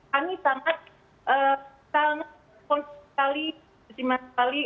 kami sangat responsif sekali